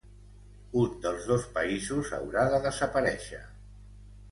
Un dels dos països haurà de desaparèixer.